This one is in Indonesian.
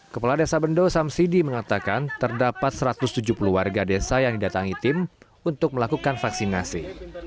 kepala desa bendo samsidi mengatakan terdapat satu ratus tujuh puluh warga desa yang didatangi tim untuk melakukan vaksinasi